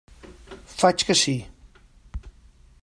Faig que sí.